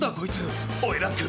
おいラック